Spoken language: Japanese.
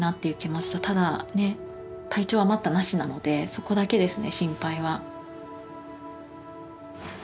そこだけですね心配は。